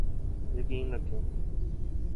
یقین رکھیے۔